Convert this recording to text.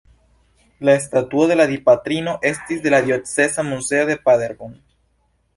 La statuo de la Dipatrino estis de la dioceza muzeo de Paderborn.